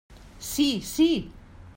Sí, sí!